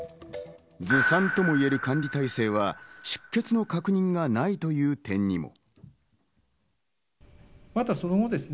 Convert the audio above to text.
ずさんともいえる管理体制は出欠の確認がないという点にも。